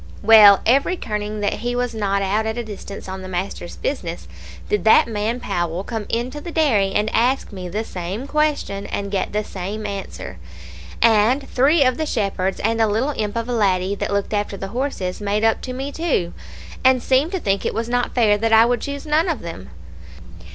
"Well, every kirning that he was not out at a distance on the master's business, did that man Powell come into the dairy and ask me the same question, and get the same answer; and three of the shepherds, and a little imp of a laddie that looked after the horses, made up to me too, and seemed to think it was not fair that I would choose none of them.